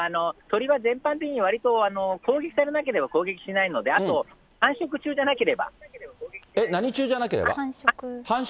基本は、鳥は全般的にわりと攻撃されなければ、攻撃しないので、あと、繁殖中じゃなかった。